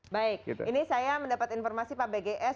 baik ini saya mendapat informasi pak bgs